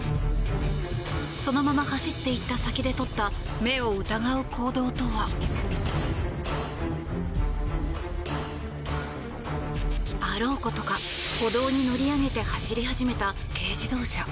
そのまま走っていった先で取った目を疑う行動とはあろうことか歩道に乗り上げて走り始めた軽自動車。